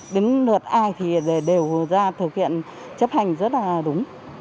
đến lượt ai thì đều ra thực hiện chấp hành rất là đúng